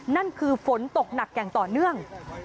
นั่นคือฝนตกหนักอย่างต่อเนื่อง